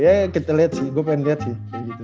ya kita liat sih gua pengen liat sih